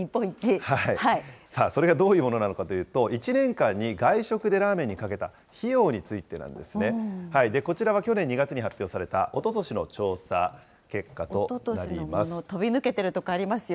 さあ、それがどういうものかというと、１年間に外食でラーメンにかけた費用についてなんですね。こちらは去年２月に発表されたお飛び抜けているところ、ありますよ。